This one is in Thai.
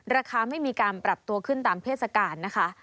ราคาไม่มีการปรับตัวขึ้นตามเทศกาลนะคะ